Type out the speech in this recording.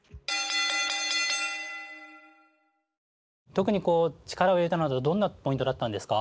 特に力を入れたのはどんなポイントだったんですか？